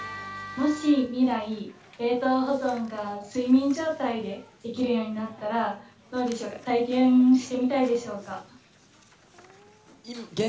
もし未来、冷凍保存が睡眠状態でできるようになったら、どうでしょう、体験してみたいでしょうか。